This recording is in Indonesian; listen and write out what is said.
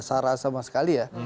saya rasa sama sekali ya